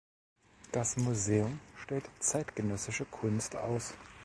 Das Museum stellt zeitgenössische Kunst aus.